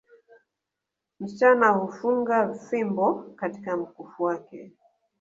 Msichana hufunga fimbo katika mkufu wake